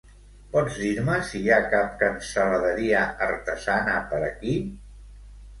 Pots dir-me si hi ha cap cansaladeria artesana per aquí?